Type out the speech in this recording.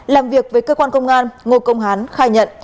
làm việc với cơ quan công an ngô công hán khai nhận